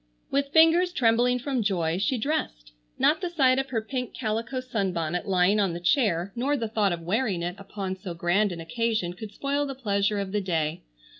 With fingers trembling from joy she dressed. Not the sight of her pink calico sunbonnet lying on the chair, nor the thought of wearing it upon so grand an occasion, could spoil the pleasure of the day.